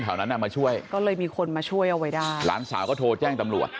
แถวนั้นอ่ะมาช่วยก็เลยมีคนมาช่วยเอาไว้ได้หลานสาวก็โทรแจ้งตำรวจ